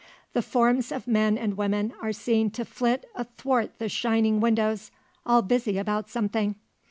The forms of men and women, are seen to flit athwart the shining windows, all busy about something.